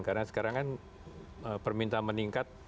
karena sekarang kan permintaan meningkat